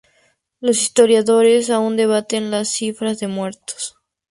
Los historiadores aún debaten, las cifras de muertos.